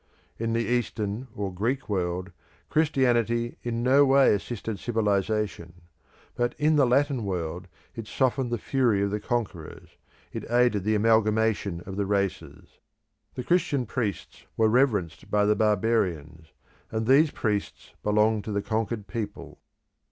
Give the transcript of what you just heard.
In the Eastern or Greek world, Christianity in no way assisted civilisation, but in the Latin world it softened the fury of the conquerors, it aided the amalgamation of the races. The Christian priests were reverenced by the barbarians, and these priests belonged to the conquered people.